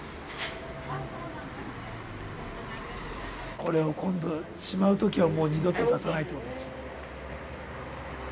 これを今度しまうときはもう二度と出さないってことでしょ。